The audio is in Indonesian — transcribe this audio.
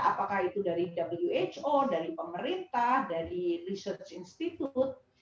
apakah itu dari who dari pemerintah dari research institute